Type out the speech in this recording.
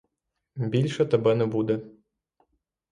Більше тебе не буде.